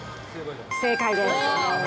正解です。